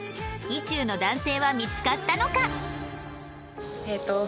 意中の男性は見つかったのか？